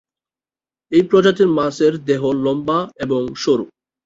এই প্রজাতির মাছের দেহ লম্বা এবং সরু।